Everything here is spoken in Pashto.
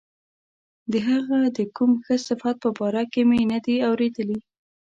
د هغه د کوم ښه صفت په باره کې مې نه دي اوریدلي.